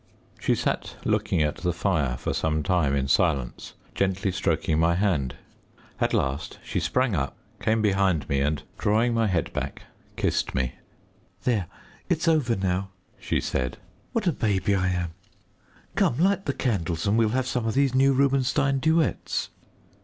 She sat looking at the fire for some time in silence, gently stroking my hand. At last she sprang up, came behind me, and, drawing my head back, kissed me. "There, it's over now," she said. "What a baby I am! Come, light the candles, and we'll have some of these new Rubinstein duets."